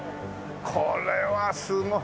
これはすごい。